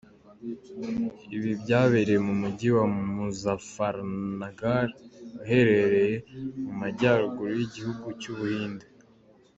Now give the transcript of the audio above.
Ibi byabereye mu mujyi wa Muzaffarnagar, uherereye mu majyaruguru y’igihugu cy’u Buhinde.